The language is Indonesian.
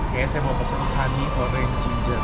kayaknya saya mau pesen honey korea dan ginger